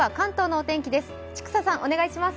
お願いします。